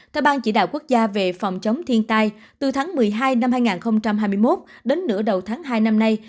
theo bang chỉ đạo quốc gia về phòng chống thiên tai từ tháng một mươi hai năm hai nghìn hai mươi một đến nửa đầu tháng hai năm nay